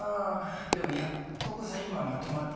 でもやっとこさ今まとまってね